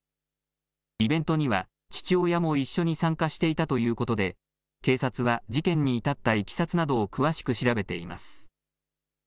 イベントには、父親も一緒に参加していたということで、警察は事件に至ったいきさつなどを詳しく調べています。